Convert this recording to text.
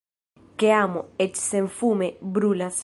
Ke amo, eĉ senfume, brulas.